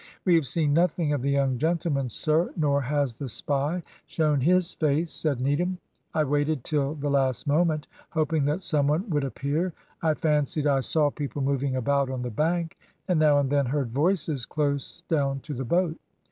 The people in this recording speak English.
"We have seen nothing of the young gentlemen, sir, nor has the spy shown his face," said Needham. "I waited till the last moment, hoping that some one would appear. I fancied I saw people moving about on the bank, and now and then heard voices close down to the boat.